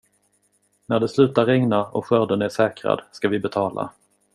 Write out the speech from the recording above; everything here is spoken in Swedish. När det slutar regna och skörden är säkrad ska vi betala.